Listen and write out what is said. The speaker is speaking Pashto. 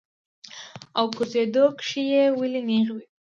او ګرځېدو کښې ئې ولي نېغ وي -